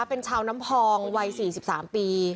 เป็นชาวน้ำพองวัย๔๓ปี